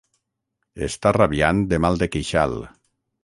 Està rabiant de mal de queixal.